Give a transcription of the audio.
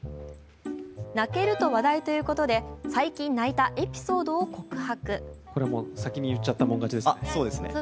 泣けると話題ということで最近泣いたエピソードを告白。